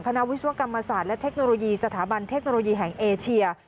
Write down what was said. วิศวกรรมศาสตร์และเทคโนโลยีสถาบันเทคโนโลยีแห่งเอเชีย